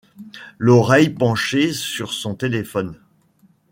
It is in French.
L'oreille penchée sur son téléphone.